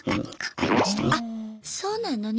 あっそうなのね。